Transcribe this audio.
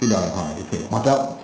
đòi hỏi phải hoạt động